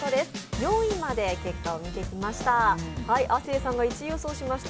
４位まで結果を見てきました。